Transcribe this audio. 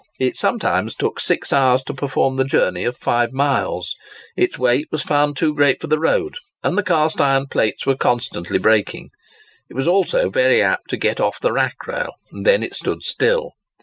It sometimes took six hours to perform the journey of five miles. Its weight was found too great for the road, and the cast iron plates were constantly breaking. It was also very apt to get off the rack rail, and then it stood still.